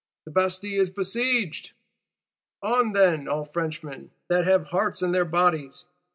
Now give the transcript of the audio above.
The Bastille is besieged! On, then, all Frenchmen that have hearts in their bodies!